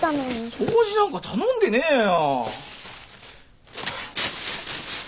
掃除なんか頼んでねえよ。